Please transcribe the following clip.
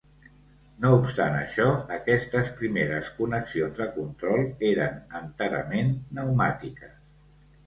No obstant això, aquestes primeres connexions de control eren enterament pneumàtiques.